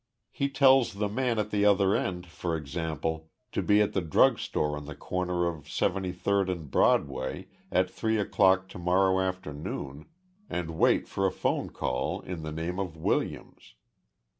He tells the man at the other end, for example, to be at the drug store on the corner of Seventy third and Broadway at three o'clock to morrow afternoon and wait for a phone call in the name of Williams.